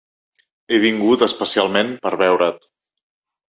He vingut especialment per veure't.